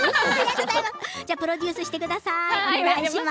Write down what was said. プロデュースしてください。